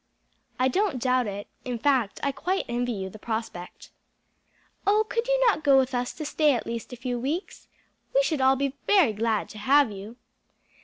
"I don't doubt it; in fact, I quite envy you the prospect." "Oh could you not go with us to stay at least a few weeks? We should all be so very glad to have you."